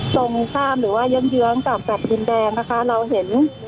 ตรงข้ามหรือว่าเยื้องเยื้องกับแฟลต์ดินแดงนะคะเราเห็น